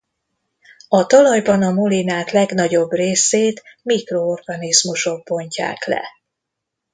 A talajban a molinát legnagyobb részét mikroorganizmusok bontják le.